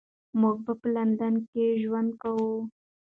موږ به په لندن کې ژوند کوو.